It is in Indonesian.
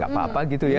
nggak apa apa gitu ya